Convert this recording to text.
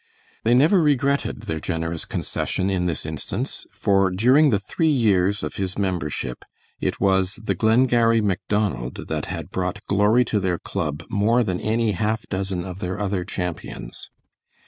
They never regretted their generous concession in this instance, for during the three years of his membership, it was the Glengarry Macdonald that had brought glory to their club more than any half dozen of their other champions.